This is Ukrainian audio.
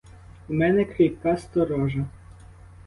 У мене кріпка сторожа.